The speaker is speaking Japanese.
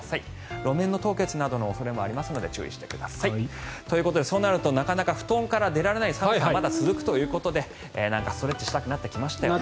路面凍結などの恐れもありますので注意してください。ということでそうなるとなかなか布団から出られない寒さが続くということでストレッチをしたくなってきましたよね。